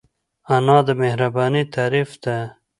انا د مهربانۍ تعریف ده